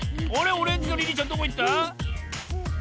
オレンジのリリーちゃんどこいった？